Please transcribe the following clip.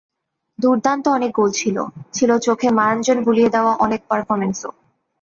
দুর্দান্ত অনেক গোল ছিল, ছিল চোখে মায়াঞ্জন বুলিয়ে দেওয়া অনেক পারফরম্যান্সও।